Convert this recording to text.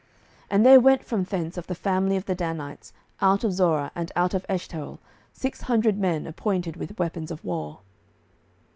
07:018:011 And there went from thence of the family of the Danites, out of Zorah and out of Eshtaol, six hundred men appointed with weapons of war.